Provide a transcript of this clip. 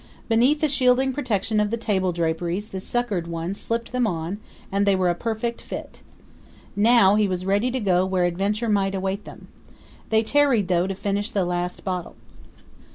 Beneath the shielding protection of the table draperies the succored one slipped them on, and they were a perfect fit. Now he was ready to go where adventure might await them. They tarried, though, to finish the last bottle.